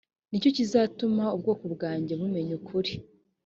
ni cyo kizatuma ubwoko bwanjye bumenya ukuri